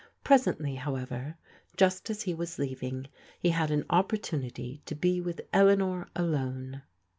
Presently, however, just as he was leaving, he had an opportunity to be with Eleanor alone.